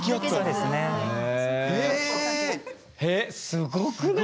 すごくない？